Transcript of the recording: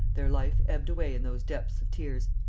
"Their life ebbed away in those depths of tears," as M.